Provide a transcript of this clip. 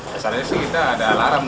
dasarnya sih kita ada alarm